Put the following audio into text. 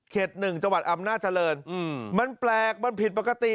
๑จังหวัดอำนาจริงมันแปลกมันผิดปกติ